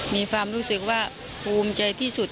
มีความรู้สึกว่าภูมิใจที่สุด